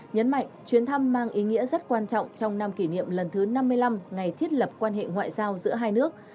nhấn mạnh chuyến thăm mang ý nghĩa rất quan trọng trong năm kỷ niệm lần thứ năm mươi năm ngày thiết lập quan hệ ngoại giao giữa hai nước